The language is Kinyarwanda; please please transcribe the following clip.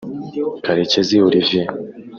Karekezi Olivier